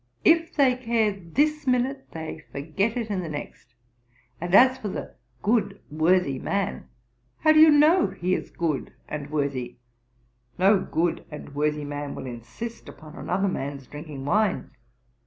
If they care this minute, they forget it the next. And as for the good worthy man; how do you know he is good and worthy? No good and worthy man will insist upon another man's drinking wine.